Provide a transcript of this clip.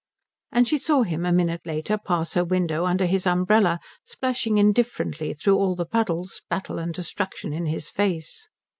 And she saw him a minute later pass her window under his umbrella, splashing indifferently through all the puddles, battle and destruction in his face.